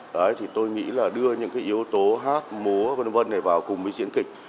đấy thì tôi nghĩ là đưa những cái yếu tố hát múa v v này vào cùng với diễn kịch